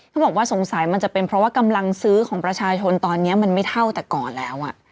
เขาบอกว่าสงสัยมันจะเป็นเพราะว่ากำลังซื้อของประชาชนตอนนี้มันไม่เท่าแต่ก่อนแล้ว